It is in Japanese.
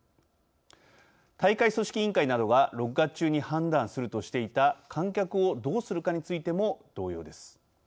大会組織委員会などが６月中に判断するとしていた観客をどうするかについても同様です。